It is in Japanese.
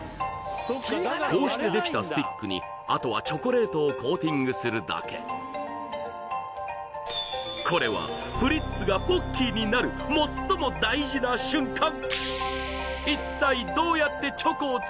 こうしてできたスティックにあとはチョコレートをコーティングするだけこれはプリッツがポッキーになる最も大事な瞬間